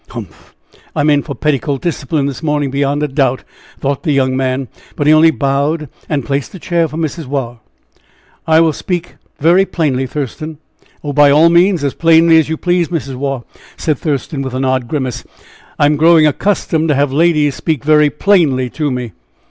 "Humph! I am in for petticoat discipline this morning, beyond a doubt," thought the young man; but he only bowed, and placed a chair for Mrs. Waugh. "I shall speak very plainly, Thurston." "Oh! by all means! As plainly as you please, Mrs. Waugh," said Thurston, with an odd grimace; "I am growing accustomed to have ladies speak very plainly to me."